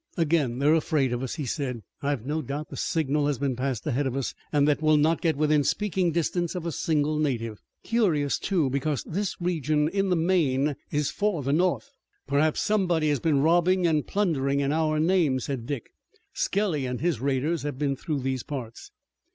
"Again they're afraid of us," he said. "I've no doubt the signal has been passed ahead of us, and that we'll not get within speaking distance of a single native. Curious, too, because this region in the main is for the North." "Perhaps somebody has been robbing and plundering in our name," said Dick. "Skelly and his raiders have been through these parts."